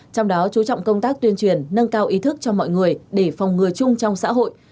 trong đó chú trọng công tác tuyên truyền nâng cao ý thức cho mọi người để phòng ngừa chung trong xã hội